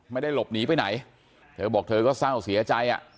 ไม่ได้หลบหนีไปไหนเธอบอกเธอก็เศร้าเสียใจอ่ะ